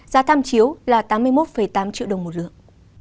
giá tham chiếu là tám mươi một tám triệu đồng một lượng